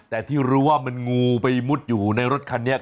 แต่ที่รู้ว่ามันงูไปมุดอยู่ในรถคันนี้